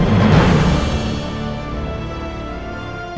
aku akan selalu mencintai kamu